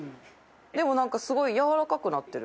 任なんかすごいやわらかくなってる。